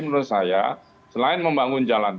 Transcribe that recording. menurut saya selain membangun jalan